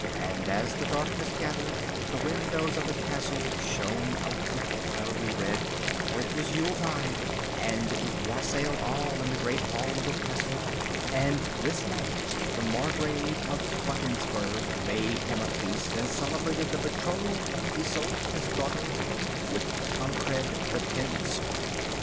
And as the darkness gathered, the windows of the castle shone out with fiery red, for it was Yuletide, and it was wassail all in the Great Hall of the castle, and this night the Margrave of Buggensberg made him a feast, and celebrated the betrothal of Isolde, his daughter, with Tancred the Tenspot.